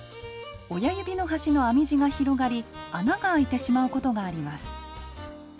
親指の端の編み地が広がり穴が開いてしまうことがあります。